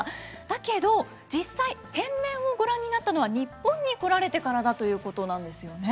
だけど実際変面をご覧になったのは日本に来られてからだということなんですよね。